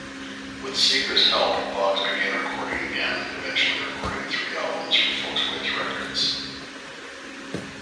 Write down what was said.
With Seeger's help, Boggs began recording again, eventually recording three albums for Folkways Records.